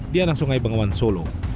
di anak sungai bengawan solo